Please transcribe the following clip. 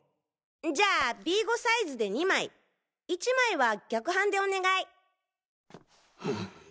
じゃあＢ５サイズで２枚１枚は逆版でお願い！